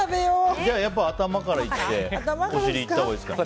やっぱ頭からいってお尻にいったほうがいいですか。